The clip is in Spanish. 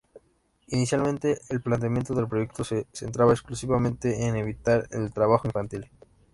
Inicialmente, el planteamiento del proyecto se centraba exclusivamente en evitar el trabajo Infantil.